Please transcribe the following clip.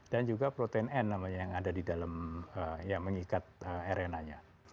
dan juga protein n yang ada di dalam yang mengikat rna nya